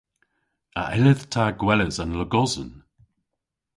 A yllydh ta gweles an logosen?